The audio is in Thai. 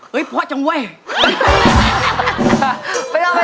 เฮ้ยพ่อจังเว้ย